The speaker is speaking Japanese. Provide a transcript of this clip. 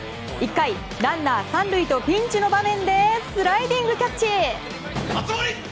１回、ランナー３塁とピンチの場面でスライディングキャッチ！